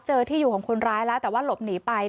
ที่อยู่ของคนร้ายแล้วแต่ว่าหลบหนีไป